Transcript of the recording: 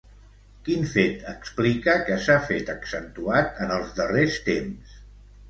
Quin fet explica que s'ha fet accentuat en els darrers temps?